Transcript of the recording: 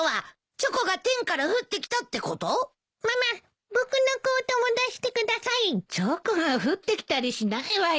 チョコが降ってきたりしないわよ。